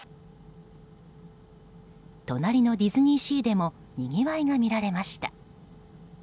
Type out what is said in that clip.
隣のディズニーシーでもにぎわいが見られました。